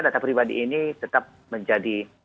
data pribadi ini tetap menjadi